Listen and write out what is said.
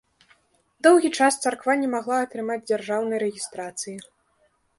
Доўгі час царква не магла атрымаць дзяржаўнай рэгістрацыі.